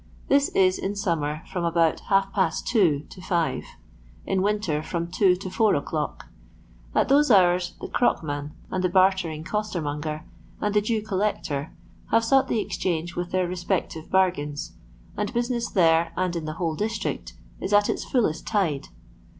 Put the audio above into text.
This is, in summer, from about half post two to five, in winter, from two to four o'clock. At those hours the crock man, and the bartering costermonger, and the Jew collector, have sought the Exchange with their respective bargains; and business there, and in the whole district, is at its fullest tide.